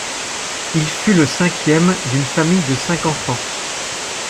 Il fut le cinquième d'une famille de cinq enfants.